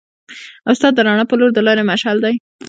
استاد د رڼا په لور د لارې مشعل دی.